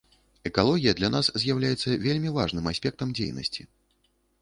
Экалогія для нас з'яўляецца вельмі важным аспектам дзейнасці.